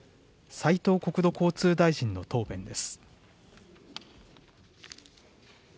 斉藤国土交通大臣の答弁です。